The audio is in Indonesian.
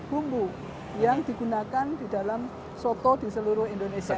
bumbu yang digunakan di dalam soto di seluruh indonesia